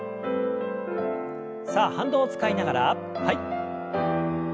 さあ反動を使いながらはい。